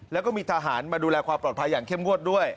แล้วก็มีทหารมาดูแลความปลอดภัยอย่างเข้มงวดด้วย